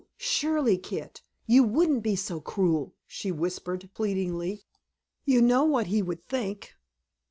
Surely, Kit, you wouldn't be so cruel!" she whispered pleadingly. "You know what he would think.